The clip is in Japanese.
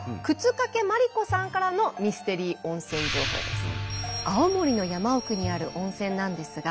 沓掛麻里子さんからのミステリー温泉情報です。